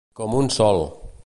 Com un sol.